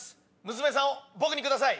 娘さんを僕にください。